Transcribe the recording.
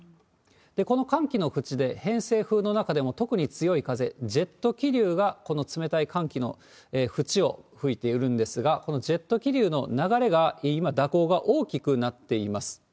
この寒気の縁で偏西風の中でも特に強い風、ジェット気流が、この冷たい寒気の縁を吹いているんですが、このジェット気流の流れが今、蛇行が大きくなっています。